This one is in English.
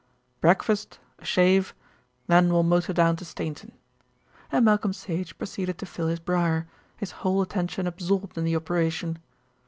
"Breakfast, a shave, then we'll motor down to Stainton," and Malcolm Sage proceeded to fill his briar, his whole attention absorbed in the operation.